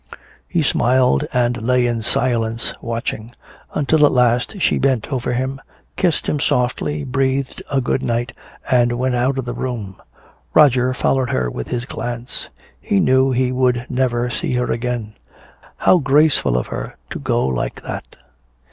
He smiled and lay in silence watching, until at last she bent over him, kissed him softly, breathed a good night and went out of the room. Roger followed her with his glance. He knew he would never see her again. How graceful of her to go like that.